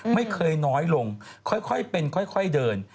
ไม่เคยน้อยลงค่อยเป็นค่อยเดิน